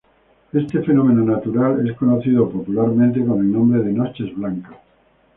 Este fenómeno natural es conocido popularmente con el nombre de Noches blancas.